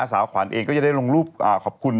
สาวขวัญเองก็จะได้ลงรูปขอบคุณ